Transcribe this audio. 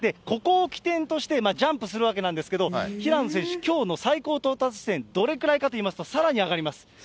ここを起点としてジャンプするわけなんですけど、平野選手、きょうの最高到達地点、どれくらいかといいますと、さらに上がります。